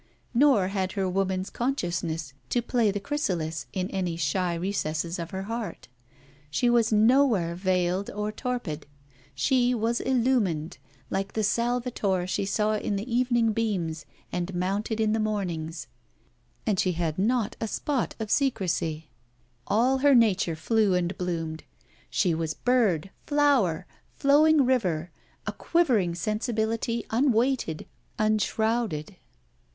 Nor had her woman's consciousness to play the chrysalis in any shy recesses of her heart; she was nowhere veiled or torpid; she was illumined, like the Salvatore she saw in the evening beams and mounted in the morning's; and she had not a spot of seeresy; all her nature flew and bloomed; she was bird, flower, flowing river, a quivering sensibility unweighted, enshrouded.